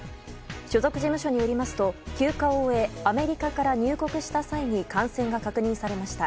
所属事務所によりますと休暇を終えアメリカから入国した際に感染が確認されました。